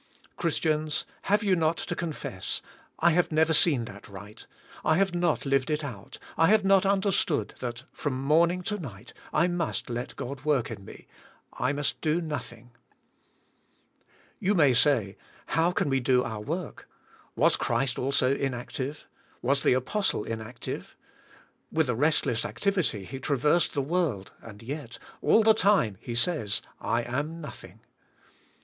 Christians, have you not to confess, I have never seen that rig ht. I have not lived it out. I have not understood that, from morning to night, I must let God work in me, I must do nothing. You may say, How can we do our work ? Was Christ also inactive ? Was the Apostle inactive ? With a restless activity he trav ersed the world, and yet, all the time, he says, "I am nothing."